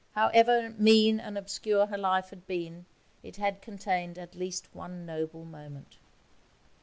However mean and obscure her life had been, it had contained at least one noble moment.